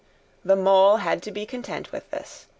The Mole had to be content with this.